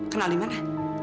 kenal di mana